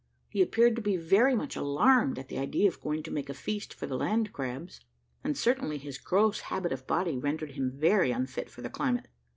He appeared to be very much alarmed at the idea of going to make a feast for the land crabs; and certainly his gross habit of body rendered him very unfit for the climate.